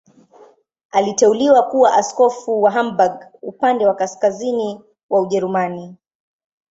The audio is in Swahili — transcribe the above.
Aliteuliwa kuwa askofu wa Hamburg, upande wa kaskazini wa Ujerumani.